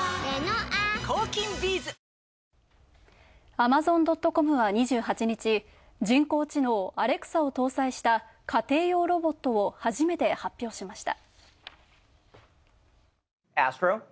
アマゾン・ドット・コムは２８日、人工知能アレクサを搭載した家庭用ロボットを初めて発表しました。